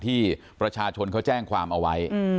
ที่ประชาชนเขาแจ้งความเอาไว้